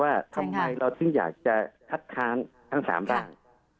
ว่าทำไมเราถึงอยากจะคัดค้างทั้ง๓ร่าง